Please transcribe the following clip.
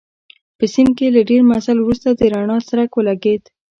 په سیند کې له ډېر مزل وروسته د رڼا څرک ولګېد.